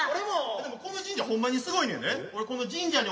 でもこの神社ほんまにすごいねんで。